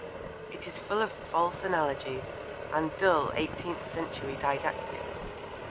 It is full of false analogies and dull eighteenth century didactics.